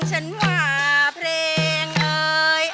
ฉันว่าเพลงเอ่ย